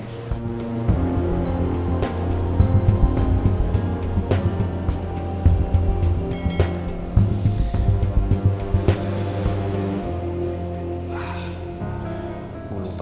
tidak ada yang bisa dikira